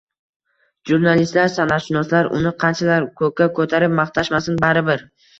Jurnalistlar, san’atshunoslar uni qanchalar ko‘kka ko‘tarib maqtashmasin, baribir